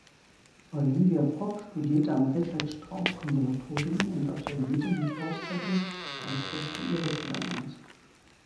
Olivia Pop studierte am Richard-Strauss-Konservatorium und absolvierte mit Auszeichnung als Beste ihres Jahrgangs.